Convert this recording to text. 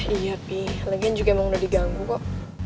iya pi lagian juga emang udah diganggu kok